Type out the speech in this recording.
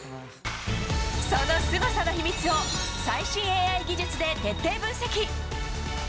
そのすごさの秘密を最新ＡＩ技術で徹底分析。